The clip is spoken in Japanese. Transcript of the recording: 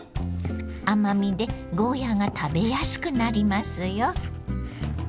甘みでゴーヤーが食べやすくなりますよ。